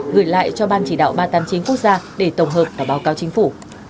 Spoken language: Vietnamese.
gửi lại cho ban chỉ đạo ba trăm tám mươi chín quốc gia để tổng hợp và báo cáo chính phủ